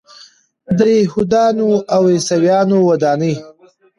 د یهودانو او عیسویانو ودانۍ.